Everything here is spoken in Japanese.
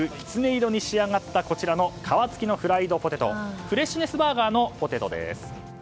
きつね色に仕上がったこちらの皮付きのフライドポテトフレッシュネスバーガーのポテトです。